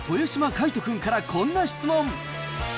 かいと君からこんな質問。